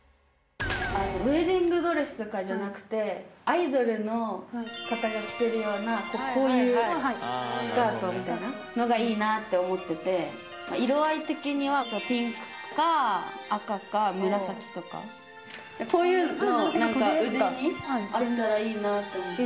ウエディングドレスとかじゃなくてアイドルの方が着てるようなこういうスカートみたいなのがいいなって思っててこういうの何か腕にあったらいいなって思ってて。